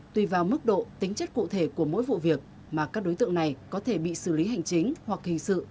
tùy vào mức độ tính chất cụ thể của mỗi vụ việc mà các đối tượng này có thể bị xử lý hành chính hoặc hình sự